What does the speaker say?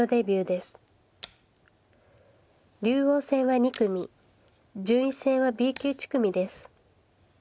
竜王戦は２組順位戦はＢ級１組です。